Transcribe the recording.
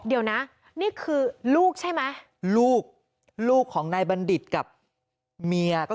เดี๋ยวนะนี่คือลูกใช่ไหมลูกลูกของนายบัณฑิตกับเมียก็